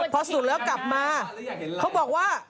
พอสุดแล้วกลับมาเขาบอกว่า